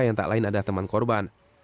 yang ada teman korban